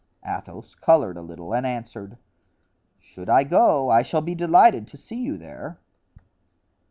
Athos colored a little and answered: "Should I go, I shall be delighted to see you there."